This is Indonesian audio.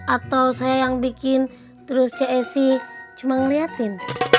atau saya yang bikin terus cik edo cuma ngeliatin